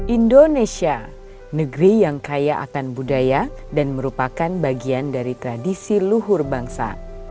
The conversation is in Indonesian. indonesia negeri yang kaya akan budaya dan merupakan bagian dari tradisi luhur bangsa